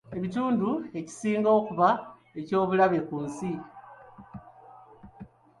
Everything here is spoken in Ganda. Ebitundu ekisinga okuba eky'obulabe ku nsi.